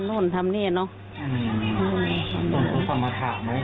อาจจะไม่ใช่อย่างที่ก็คิดว่าน่าจะไม่ใช่อะไรนี้